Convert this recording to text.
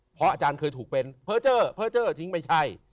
เพราะอาจารย์เคยถูกเป็นเพอร์เจอร์เพอร์เจอร์ทิ้งไม่ใช่